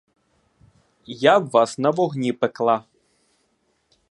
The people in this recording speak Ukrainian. Я б вас на вогні пекла!